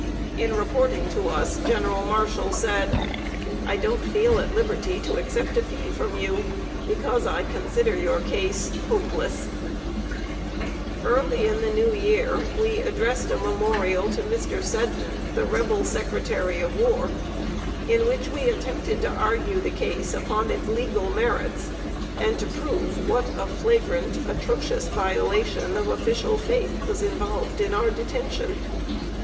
In reporting to us, General Marshall said: "I don't feel at liberty to accept a fee from you, because I consider your case hopeless." [Sidenote: SENTENCED TO THE SALISBURY PRISON.] Early in the new year, we addressed a memorial to Mr. Seddon, the Rebel Secretary of War, in which we attempted to argue the case upon its legal merits, and to prove what a flagrant, atrocious violation of official faith was involved in our detention.